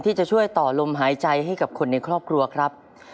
ที่จะช่วยต่อลมหายใจให้กับคนในครอบครัวครับ